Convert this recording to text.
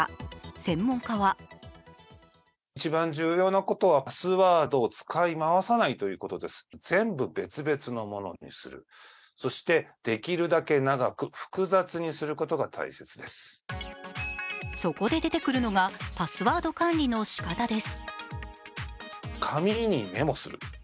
専門家はそこで出てくるのがパスワードの管理の仕方です。